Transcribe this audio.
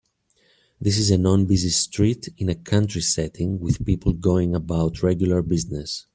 This is a non busy street in a country setting with people going about regular business.